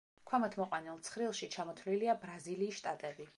ქვემოთ მოყვანილ ცხრილში, ჩამოთვლილია ბრაზილიის შტატები.